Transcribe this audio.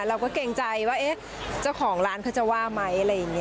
มันต้องเก่งใจว่าเจ้าของร้านเขาจะว่าไหม